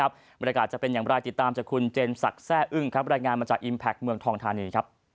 บริการจะเป็นอย่างไรติดตามจากคุณเจมส์สักแทร่อึ้งบริงานมาจากอิมแพคเมืองทองทานี